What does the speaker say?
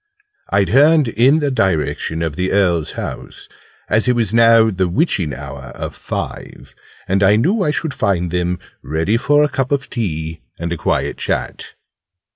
I turned in the direction of the Earl's house, as it was now 'the witching hour' of five, and I knew I should find them ready for a cup of tea and a quiet chat.